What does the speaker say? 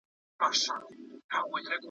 د لور او زوم درناوی وکړئ.